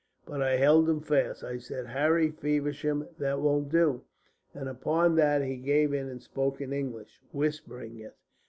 But I held him fast. I said, 'Harry Feversham, that won't do,' and upon that he gave in and spoke in English, whispering it.